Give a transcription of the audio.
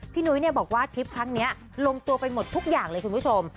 นุ้ยบอกว่าทริปครั้งนี้ลงตัวไปหมดทุกอย่างเลยคุณผู้ชม